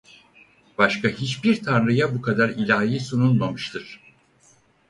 Başka hiçbir tanrıya bu kadar ilahi sunulmamıştır.